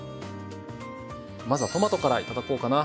まずはトマトからいただこうかな。